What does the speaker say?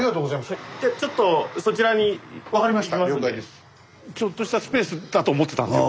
スタジオちょっとしたスペースだと思ってたんですよ。